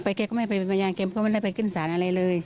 ไปแกก็ไม่เป็นพยายามแกก็ไม่ได้ไปกินสารอะไรเลย